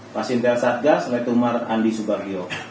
pasien tel satgas letumar andi subagio